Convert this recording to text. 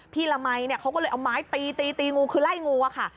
ละมัยเนี่ยเขาก็เลยเอาไม้ตีตีตีงูคือไล่งูอะค่ะ